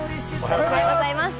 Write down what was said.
おはようございます。